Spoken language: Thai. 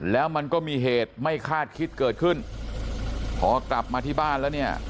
แล้วมันก็มีเหตุไม่คาดคิดเกิดขึ้นพอกลับมาที่บ้านแล้วเนี่ย